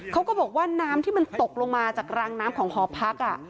เขาก็บอกว่าน้ำที่มันตกลงมาจากรังน้ำของหอพัก